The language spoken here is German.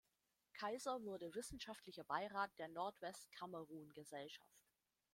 Kaiser wurde wissenschaftlicher Beirat der Nordwest-Kamerun-Gesellschaft.